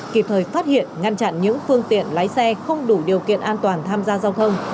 kịp thời phát hiện ngăn chặn những phương tiện lái xe không đủ điều kiện an toàn tham gia giao thông